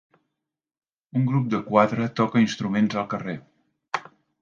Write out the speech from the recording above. Un grup de quatre toca instruments al carrer.